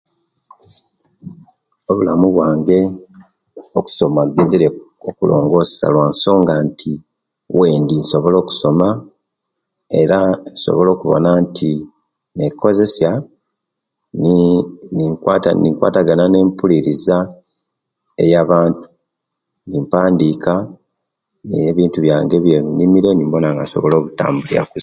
Obulamu bwange okusoma kugezeryeku okulongosya lwansonga nti owendi nsobola okusoma, era nsobola okubona nti nekozesya ni nikwata nikwatagana ne'mpuliliza eya'bantu nimpandika ebintu byange ebyendimire nimbona nga nsobola obitambulya kusa.